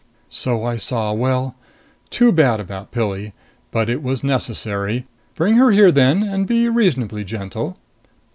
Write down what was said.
"So I saw. Well too bad about Pilli. But it was necessary. Bring her here then. And be reasonably gentle."